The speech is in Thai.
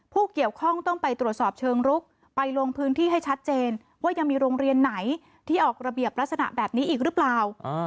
ผู้เกี่ยวข้องต้องไปตรวจสอบเชิงลุกไปลงพื้นที่ให้ชัดเจนว่ายังมีโรงเรียนไหนที่ออกระเบียบลักษณะแบบนี้อีกหรือเปล่า